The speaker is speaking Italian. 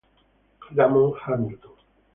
Lamont Hamilton